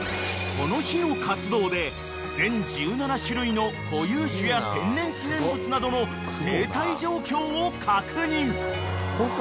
［この日の活動で全１７種類の固有種や天然記念物などの生態状況を確認］